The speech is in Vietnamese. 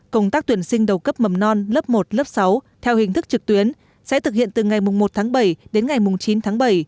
công tác tuyển sinh đầu cấp mầm non lớp một lớp sáu theo hình thức trực tuyến sẽ thực hiện từ ngày một tháng bảy đến ngày chín tháng bảy